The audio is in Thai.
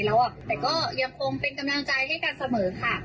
แล้วแต่ก็ยังคงเป็นกำลังใจให้กันเสมอค่ะ